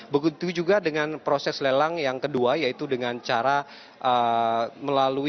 begitu juga dengan proses lelang yang kedua yaitu dengan cara melalui